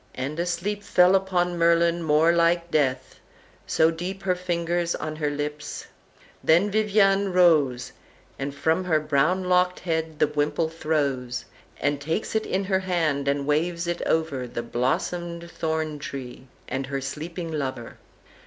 "And a sleep Fell upon Merlin more like death, so deep Her finger on her lips; then Vivian rose, And from her brown locked head the wimple throws, And takes it in her hand and waves it over The blossomed thorn tree and her sleeping lover.